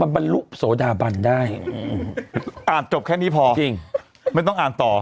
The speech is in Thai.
บรรลุโสดาบันได้อ่านจบแค่นี้พอจริงไม่ต้องอ่านต่อ